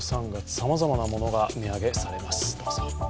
さまざまなものが値上げされます。